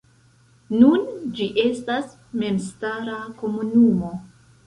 Nun ĝi estas memstara komunumo.